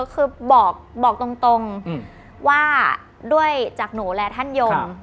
คือบอกตรงว่าด้วยจากหนูและท่านยม